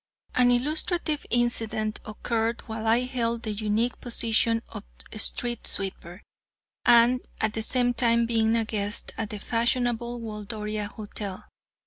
An illustrative incident occurred while I held the unique position of street sweeper, and at the same time being a guest at the fashionable Waldoria Hotel.